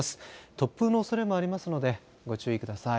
突風のおそれもありますのでご注意ください。